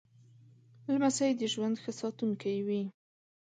لمسی د ژوند ښه ساتونکی وي.